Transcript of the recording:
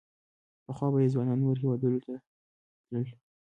پخوا به یې ځوانان نورو هېوادونو ته تلل.